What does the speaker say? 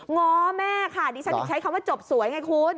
ง้อแม่ค่ะดิฉันใช้คำว่าจบสวยไงคุณ